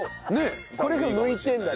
これが向いてるんだ。